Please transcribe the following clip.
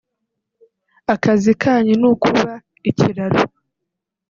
“Akazi kanyu ni ukuba ikiraro